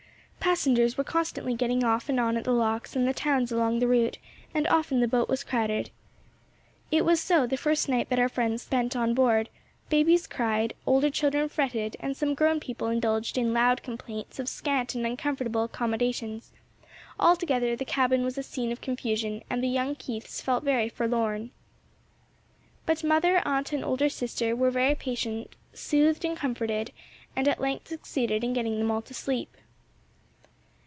Passengers were constantly getting off and on at the locks and the towns along the route, and often the boat was crowded. It was so the first night that our friends spent on board; babies cried, older children fretted and some grown people indulged in loud complaints of scant and uncomfortable accommodations; altogether the cabin was a scene of confusion and the young Keiths felt very forlorn. But mother, aunt and older sister were very patient, soothed, comforted, and at length succeeded in getting them all to sleep.